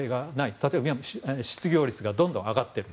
例えば、失業率が今どんどん上がっている。